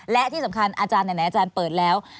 และที่สำคัญอาจารย์ไหนอาจารย์เปิดแล้ว